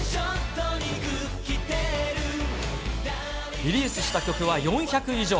リリースした曲は４００以上。